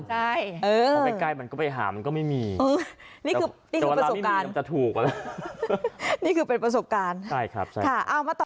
ไปไกลมันก็ไปหามันก็ไม่มีนี่คือประสบการณ์จะถูกนี่คือเป็นประสบการณ์ได้ครับค่ะเอามาต่อ